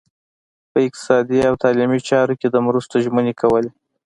په اقتصادي او تعلیمي چارو کې د مرستو ژمنې کولې.